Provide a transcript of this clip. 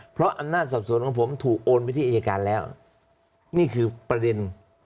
เพราะอำนาจสอบสวนของผมถูกโอนไปที่อายการแล้วนี่คือประเด็น